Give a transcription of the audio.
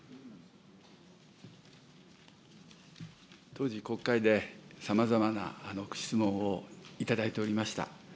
当時、国会でさまざまな質問を頂いておりました。